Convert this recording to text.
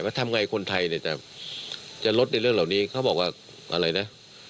แล้วทำไงคนไทยเนี่ยจะลดในเรื่องเหล่านี้เขาบอกว่าอะไรนะ